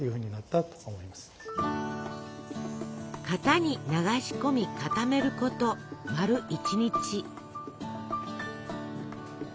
型に流し込み固めること丸一日。